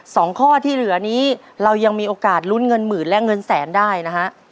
สองข้อที่เหลือนี้เรายังมีโอกาสลุ้นเงินหมื่นและเงินแสนได้นะฮะ